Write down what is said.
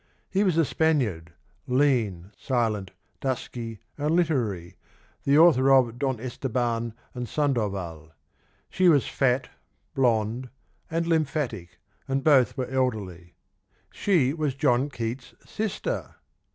He was a Spaniard, lean, silent, dusky and literary, the author of Don Esieban and Sandoval. She was fat, blonde, and lymphatic, and both were elderly. She was John Keats' s sister!